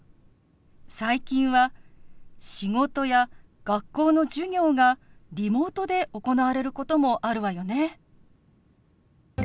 最近は仕事や学校の授業がリモートで行われることもあるわよね。